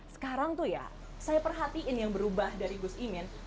sekarang tuh ya saya perhatiin yang berubah dari gus imin